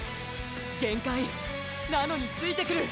限界なのについてくる！